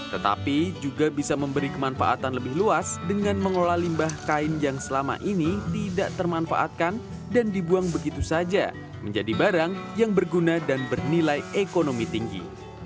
tetapi juga bisa memberi kemanfaatan lebih luas dengan mengolah limbah kain yang selama ini tidak termanfaatkan dan dibuang begitu saja menjadi barang yang berguna dan bernilai ekonomi tinggi